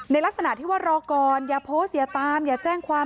ลักษณะที่ว่ารอก่อนอย่าโพสต์อย่าตามอย่าแจ้งความ